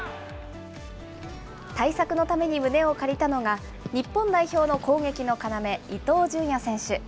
対策のために胸を借りたのが、日本代表の攻撃の要、伊東純也選手。